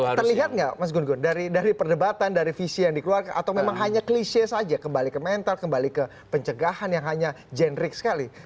terlihat nggak mas gun gun dari perdebatan dari visi yang dikeluarkan atau memang hanya klise saja kembali ke mental kembali ke pencegahan yang hanya jenrik sekali